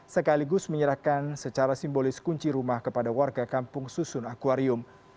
sekaligus menyerahkan secara simbolis kunci rumah kepada warga kampung susun akwarium